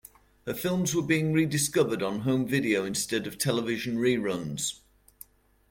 Her films were being rediscovered on home video instead of television reruns.